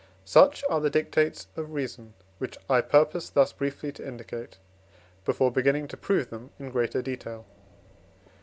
Such are the dictates of reason, which I purposed thus briefly to indicate, before beginning to prove them in greater detail.